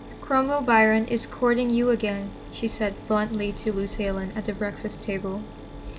"Cromwell Biron is courting you again," she said bluntly to Lucy Ellen at the breakfast table.